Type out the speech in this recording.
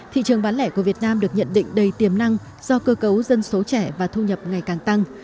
thị trường bán lẻ của việt nam được nhận định đầy tiềm năng do cơ cấu dân số trẻ và thu nhập ngày càng tăng